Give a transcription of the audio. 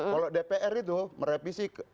kalau dpr itu merevisi